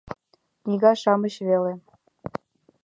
Книга-шамыч веле.